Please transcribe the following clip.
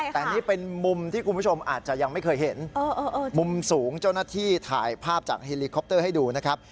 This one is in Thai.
แต่นี่เป็นมุมที่คุณผู้ชมอาจจะยังไม่เคยเห็นมุมสูงเจ้าหน้าที่ถ่ายภาพจากเฮลิคอปเตอร์ให้ดูนะครับ